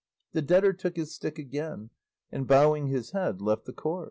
The debtor took his stick again, and bowing his head left the court.